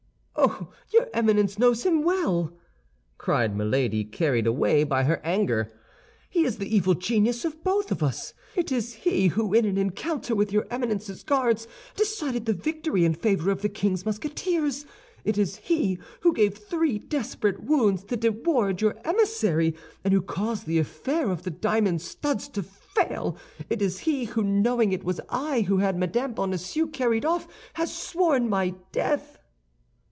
"Oh, your Eminence knows him well," cried Milady, carried away by her anger. "He is the evil genius of both of us. It is he who in an encounter with your Eminence's Guards decided the victory in favor of the king's Musketeers; it is he who gave three desperate wounds to De Wardes, your emissary, and who caused the affair of the diamond studs to fail; it is he who, knowing it was I who had Madame Bonacieux carried off, has sworn my death."